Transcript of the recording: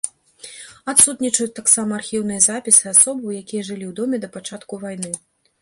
Адсутнічаюць таксама архіўныя запісы асобаў, якія жылі ў доме да пачатку вайны.